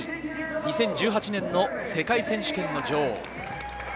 ２０１８年の世界選手権の女王。